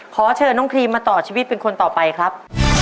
ขอเชิญน้องครีมมาต่อชีวิตเป็นคนต่อไปครับ